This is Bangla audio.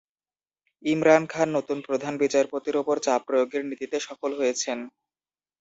ইমরান খান নতুন প্রধান বিচারপতির ওপর চাপ প্রয়োগের নীতিতে সফল হয়েছেন।